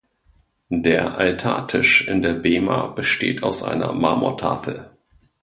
Der Altartisch in der Bema besteht aus einer Marmortafel.